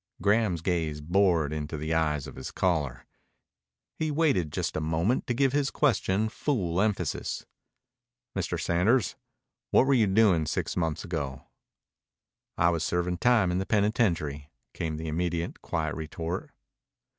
Graham's gaze bored into the eyes of his caller. He waited just a moment to give his question full emphasis. "Mr. Sanders, what were you doing six months ago?" "I was serving time in the penitentiary," came the immediate quiet retort.